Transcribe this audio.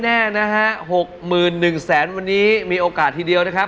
เกือบไปแล้วนะครับ